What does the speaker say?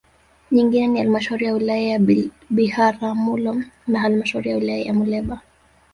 Nyingine ni Halmashauri ya wilaya ya Biharamulo na halmashauri ya Wilaya ya Muleba